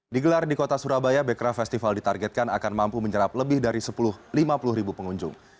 digelar di kota surabaya bekra festival ditargetkan akan mampu menyerap lebih dari sepuluh lima puluh ribu pengunjung